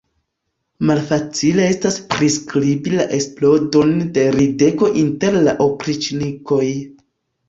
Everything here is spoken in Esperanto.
Malfacile estas priskribi la eksplodon de ridego inter la opriĉnikoj.